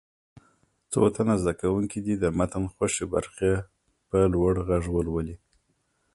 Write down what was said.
څو تنه زده کوونکي دې د متن خوښې برخه په لوړ غږ ولولي.